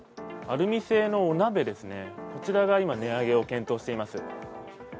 アルミ製のお鍋ですね、こちらが今、値上げを検討しています。